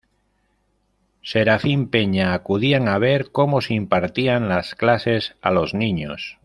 Serafín Peña, acudían a ver como se impartían las clases a los niños.